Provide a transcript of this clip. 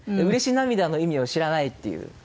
うれし涙の意味を知らないっていう。